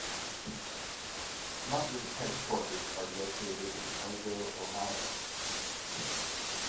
Smucker's headquarters are located in Orrville, Ohio.